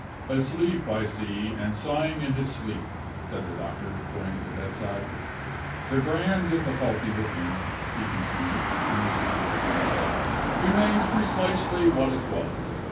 "Asleep, I see; and sighing in his sleep," said the doctor, going to the bedside. "The grand difficulty with him," he continued, turning to D'Arbino, "remains precisely what it was.